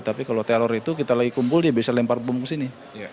tapi kalau teror itu kita lagi kumpul dia bisa lempar bumbu kesini